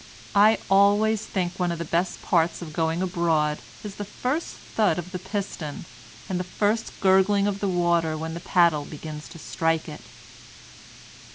"I always think one of the best parts of going abroad is the first thud of the piston, and the first gurgling of the water when the paddle begins to strike it."